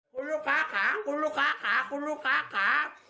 คุณลูกค้าขาคุณลูกค้าขาคุณลูกค้าขา